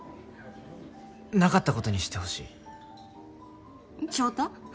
なかったことにしてほしい翔太